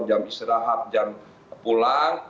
jam istirahat jam pulang